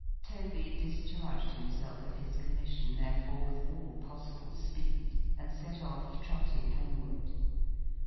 Toby discharged himself of his commission, therefore, with all possible speed, and set off trotting homeward.